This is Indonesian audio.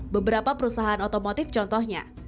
beberapa perusahaan otomotif contohnya